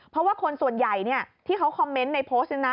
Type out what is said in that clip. เพราะว่าคนส่วนใหญ่ที่เขาคอมเมนต์ในโพสต์นี้นะ